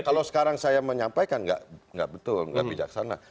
kalau sekarang saya menyampaikan nggak betul nggak bijaksana